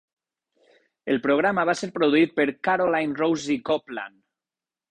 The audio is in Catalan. El programa va ser produït per Carolyn Rossi Copeland.